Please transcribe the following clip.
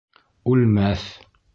Үлмәҫ!